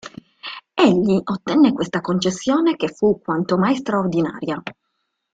Egli ottenne questa concessione che fu quanto mai straordinaria.